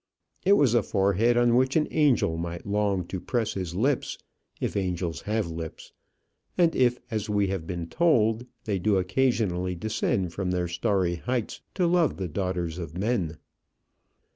It was a forehead on which an angel might long to press his lips if angels have lips, and if, as we have been told, they do occasionally descend from their starry heights to love the daughters of men.